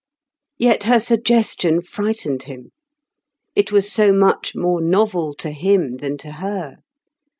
Yet her suggestion frightened him. It was so much more novel to him than to her.